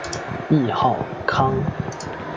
谥号康。